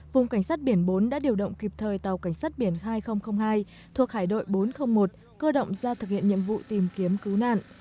vùng cảnh sát biển bốn đã điều động kịp thời tàu cảnh sát biển hai nghìn hai thuộc hải đội bốn trăm linh một cơ động ra thực hiện nhiệm vụ tìm kiếm cứu nạn